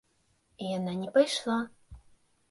І яна не пайшла.